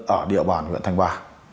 ở địa bàn huyện thành bà